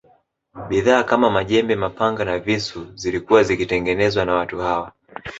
Bidhaa kama majembe mapanga na visu zilikuwa zikitengenezwa na watu hawa